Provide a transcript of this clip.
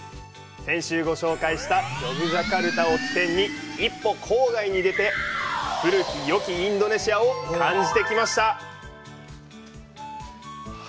先週ご紹介したジョグジャカルタを起点に一歩郊外に出て、古きよきインドネシアを感じてきました。